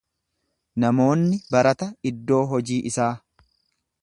Namoonni barata iddoo hojii isaa.